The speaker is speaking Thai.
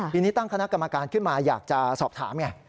ปีนี้ตั้งคณะกรรมการขึ้นมาอยากจะสอบถามไง